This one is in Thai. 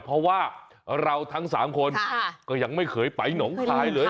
เพราะว่าเราทั้ง๓คนก็ยังไม่เคยไปหนองคายเลย